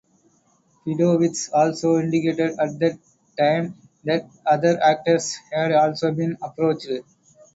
Pedowitz also indicated at that time that other actors had also been approached.